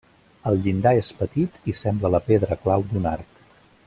El llindar és petit i sembla la pedra clau d'un arc.